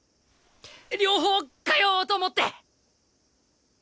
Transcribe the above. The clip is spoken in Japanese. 両方通おうと思って。